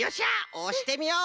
おしてみよう！